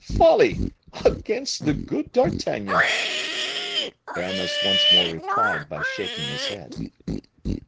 Folly! Against the good D'Artagnan!" Aramis once more replied by shaking his head.